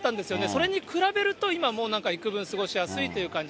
それに比べると、今もうなんかいくぶん過ごしやすいという感じ。